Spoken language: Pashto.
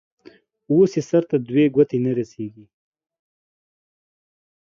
اوس يې سر ته دوې گوتي نه رسېږي.